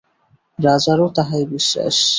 রাজারও তাহাই বিশ্বাস।